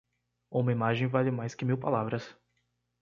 Uma imagem vale mais que mil palavras.